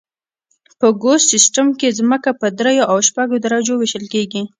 په ګوس سیستم کې ځمکه په دریو او شپږو درجو ویشل کیږي